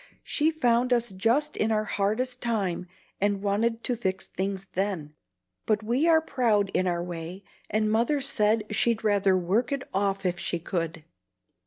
"She found us just in our hardest time, and wanted to fix things then; but we are proud in our way, and Mother said she'd rather work it off if she could.